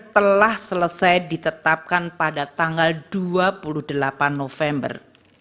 telah selesai ditetapkan pada tanggal dua puluh delapan november